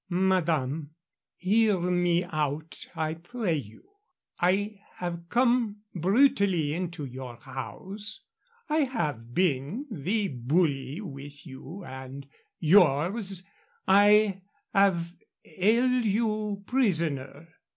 "Madame, hear me out, I pray you. I have come brutally into your house. I have been the bully with you and yours. I have held you prisoner.